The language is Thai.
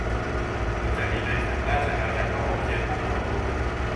นอกจากนี้ในสหราชอาณาจักรก็พบเคสผู้ป่วยโควิด